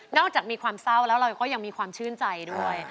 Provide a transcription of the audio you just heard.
อกจากมีความเศร้าแล้วเราก็ยังมีความชื่นใจด้วย